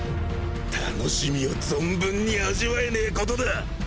愉しみを存分に味わえねぇことだ。